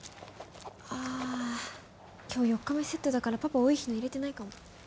あ今日４日目セットだからパパ、多い日の入れてないかも。